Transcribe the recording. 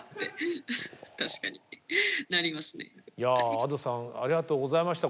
Ａｄｏさんありがとうございました。